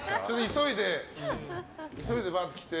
急いでバーって来て。